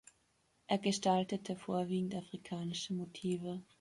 Er gestaltete vorwiegend afrikanische Motive.